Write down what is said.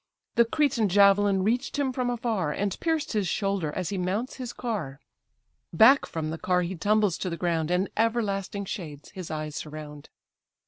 The Cretan javelin reach'd him from afar, And pierced his shoulder as he mounts his car; Back from the car he tumbles to the ground, And everlasting shades his eyes surround.